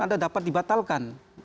ada dapat dibatalkan